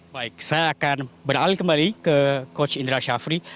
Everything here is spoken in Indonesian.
baik saya akan beralih kembali ke coach indra syafri